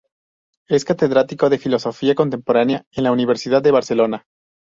Es Catedrático de Filosofía Contemporánea en la Universidad de Barcelona.